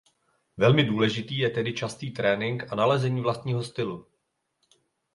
Velmi důležitý je tedy častý trénink a nalezení vlastního stylu.